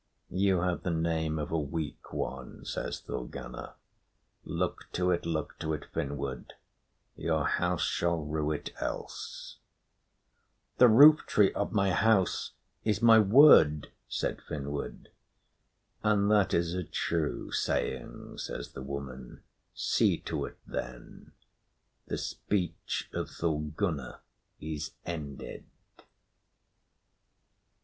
"You have the name of a weak one," says Thorgunna. "Look to it, look to it, Finnward. Your house shall rue it else." "The rooftree of my house is my word," said Finnward. "And that is a true saying," says the woman. "See to it, then. The speech of Thorgunna is ended."